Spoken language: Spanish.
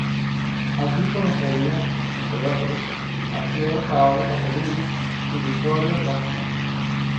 Allí conocería, entre otros, a Pier Paolo Pasolini y Vittorio Gassman.